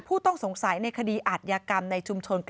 ผู้ต้องสงสัยในคดีอาทยากรรมในชุมชน